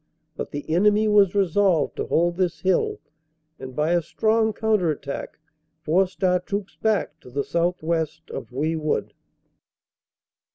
But the enemy was resolved to hold this hill, and by a strong counter attack forced our troops back to the southwest of Houy Wood.